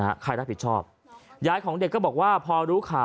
ใครรับผิดชอบยายของเด็กก็บอกว่าพอรู้ข่าว